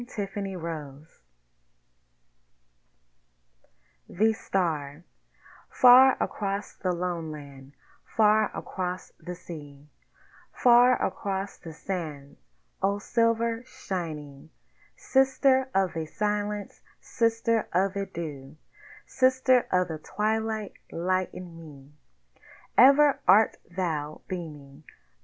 THE STAR Far across the Loneland, far across the Sea, Far across the Sands, O silver shining Sister of the Silence, Sister of the Dew, Sister of the Twilight, lighten me. Ever art thou beaming.